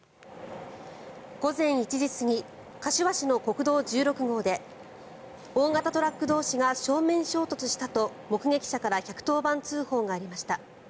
午前１時過ぎ柏市の国道１６号で大型トラック同士が正面衝突したと目撃者から１１０番通報がありました。